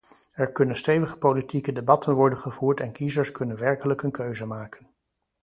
Er kunnen stevige politieke debatten worden gevoerd en kiezers kunnen werkelijk een keuze maken.